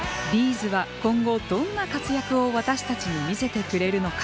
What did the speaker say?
’ｚは今後、どんな活躍を私たちに見せてくれるのか。